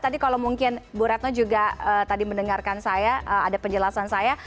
tadi kalau mungkin bu retno juga tadi mendengarkan saya ada penjelasan saya